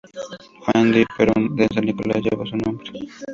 Juan D. Perón en San Nicolás, lleva su nombre.